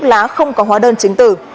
tàng vật không có hóa đơn chính tử